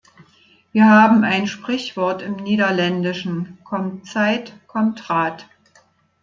Wir haben ein Sprichwort im Niederländischen, kommt Zeit, kommt Rat.